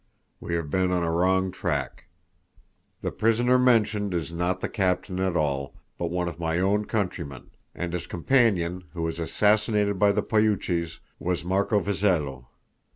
We have been on a wrong track. The prisoner mentioned is not the captain at all, but one of my own countrymen; and his companion, who was assassinated by the Poyuches, was Marco Vazello.